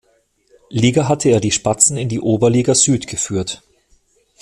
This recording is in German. Liga hatte er die „Spatzen“ in die Oberliga Süd geführt.